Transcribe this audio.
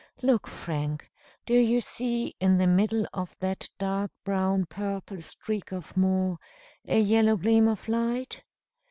Look, Frank, do you see in the middle of that dark brown purple streak of moor a yellow gleam of light?